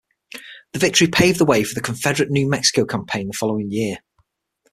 The victory paved the way for the Confederate New Mexico Campaign the following year.